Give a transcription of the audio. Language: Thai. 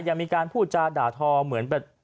ยังมีการพูดจาด่าทอเหมือนแบบ